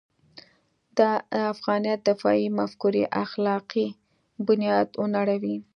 د افغانیت دفاعي مفکورې اخلاقي بنیاد ونړوي.